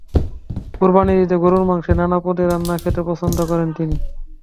কোরবানির ঈদে গরুর মাংসের নানা পদের রান্না খেতে পছন্দ করেন তিনি।